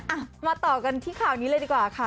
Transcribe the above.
อ่ะมาต่อกันที่ข่าวนี้เลยดีกว่าค่ะ